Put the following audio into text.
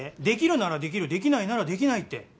できるならできるできないならできないって。